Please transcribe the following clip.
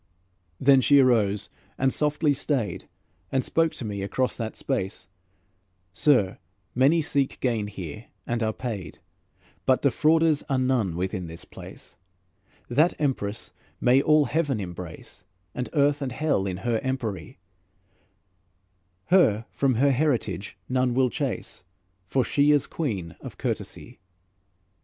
Then she arose, and softly stayed, And spoke to me across that space: "Sir, many seek gain here, and are paid, But defrauders are none within this place; That Empress may all heaven embrace, And earth and hell in her empery; Her from her heritage none will chase, For she is Queen of courtesy."